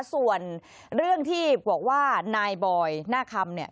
ส่วนเรื่องที่บอกว่านายบอยหน้าคำเนี่ย